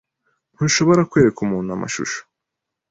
Ntushobora kwereka umuntu amashusho.